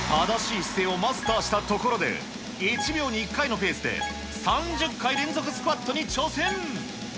正しい姿勢をマスターしたところで、１秒に１回のペースで３０回連続スクワットに挑戦。